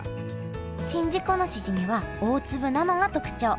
宍道湖のしじみは大粒なのが特徴。